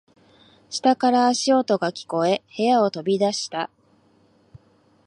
下から足音が聞こえ、部屋を飛び出した。